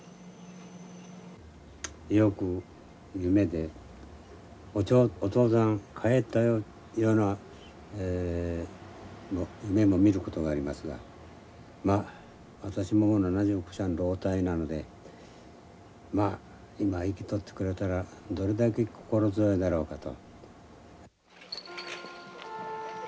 よく夢で「お父さん帰ったよ」いうような夢も見ることがありますがまあ私も７０老体なので今生きとってくれたらどれだけ心強いだろうかと。